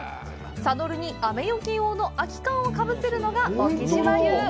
サドルに、雨よけ用の空き缶をかぶせるのが沖島流。